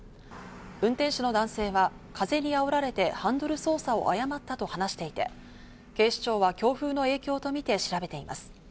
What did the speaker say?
運転手の男性は風にあおられてハンドル操作を誤ったと話していて、警視庁は強風の影響とみて調べています。